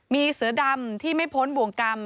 มีเสือดำที่ไม่พ้นบ่วงกรรม